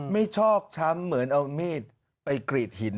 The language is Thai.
ไม่ชอบช้ำเหมือนเอาเมฆไปกรีดหิน